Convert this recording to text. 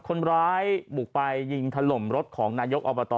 คนร้ายบุกไปยิงถล่มรถของนายกอบต